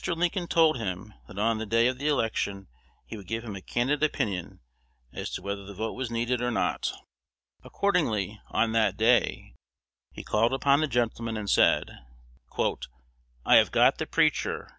Lincoln told him, that on the day of the election he would give him a candid opinion as to whether the vote was needed or not Accordingly, on that day, he called upon the gentleman, and said, "I have got the preacher